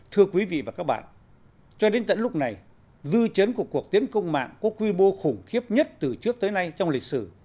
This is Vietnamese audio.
thưa quý vị và các bạn cho đến tận lúc này dư chấn của cuộc tiến công mạng có quy mô khủng khiếp nhất từ trước tới nay trong lịch sử